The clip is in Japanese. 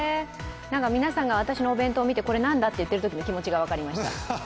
皆さんが私のお弁当見て、これ何だと言っているときの気持ちが分かりました。